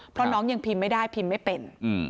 เพราะน้องยังพิมพ์ไม่ได้พิมพ์ไม่เป็น